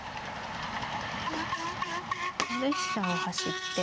ここで飛車を走って。